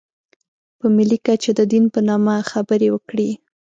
په ملي کچه د دین په نامه خبرې وکړي.